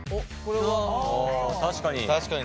あ確かに。